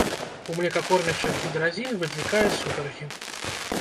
У млекакормячых гідразін выклікае сутаргі.